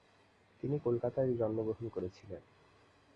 তিনি কলকাতায় জন্মগ্রহণ করেছিলেন ।